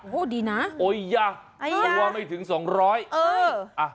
โอ้โหดีนะโอ๊ยยยยยยยยยยยต่อมาไม่ถึง๒๐๐เออ